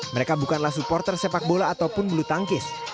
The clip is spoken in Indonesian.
mereka bukanlah supporter sepak bola ataupun bulu tangkis